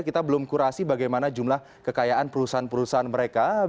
kita belum kurasi bagaimana jumlah kekayaan perusahaan perusahaan mereka